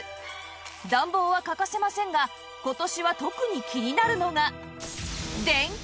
暖房は欠かせませんが今年は特に気になるのが